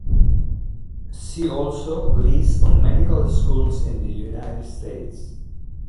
See also List of medical schools in the United States.